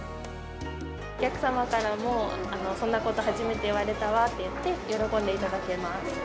お客様からも、そんなこと初めて言われたわっていって、喜んでいただけます。